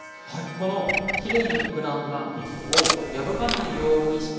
このきれいにふくらんだ生地を破かないようにして成形していきます。